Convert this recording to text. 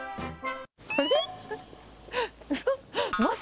あれ？